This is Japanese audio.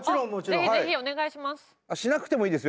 ぜひぜひお願いします。